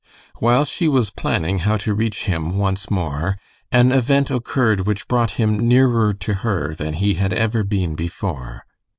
While she was planning how to reach him once more, an event occurred which brought him nearer to her than he had ever been before.